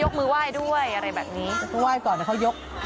ยกมือว่ายก่อนเขายก